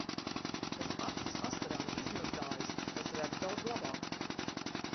Kas acis asarām izmazgājis, tas redz daudz labāk.